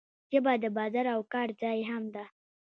ژبه د بازار او کار ځای هم ده.